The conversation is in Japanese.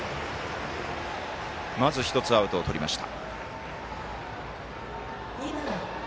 まず１つ、アウトをとりました。